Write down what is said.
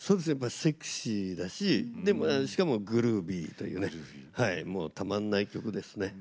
セクシーだししかもグルービーというねもうたまんない曲ですね。